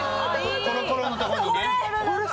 コロコロのとこにねこれ！